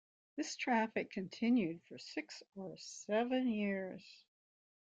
This traffic continued for six or seven years.